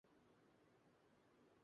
لیکن اندر جو چیز ڈالی جاتی ہے۔